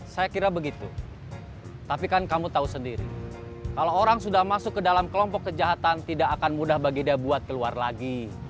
saya kira begitu tapi kan kamu tahu sendiri kalau orang sudah masuk ke dalam kelompok kejahatan tidak akan mudah bagi dia buat keluar lagi